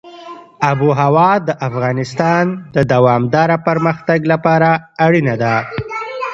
آب وهوا د افغانستان د دوامداره پرمختګ لپاره اړینه ده.